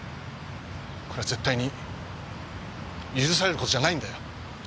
これは絶対に許される事じゃないんだよ。